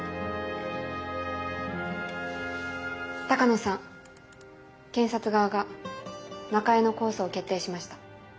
鷹野さん検察側が中江の控訴を決定しました。